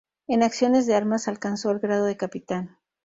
En acciones de armas alcanzó el grado de capitán.